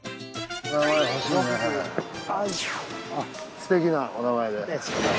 すてきなお名前で。